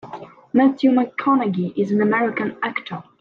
Matthew McConaughey is an American actor.